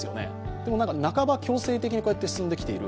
でも半ば強制的に進んできている。